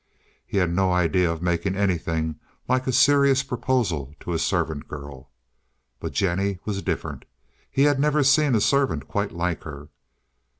He had no idea of making anything like a serious proposal to a servant girl. But Jennie was different. He had never seen a servant quite like her.